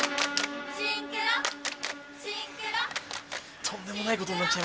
とんでもないことになっちゃいましたね。